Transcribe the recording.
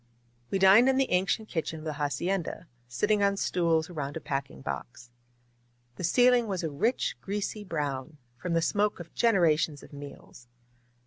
We dined in the ancient kitchen of the hacienda, sit ting on stools around a packing box. The ceiling was a rich, greasy brown, from the smoke of generations of meals.